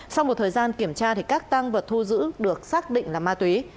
sau một thời gian kiểm tra các tăng vật thu giữ được xác định là ma túy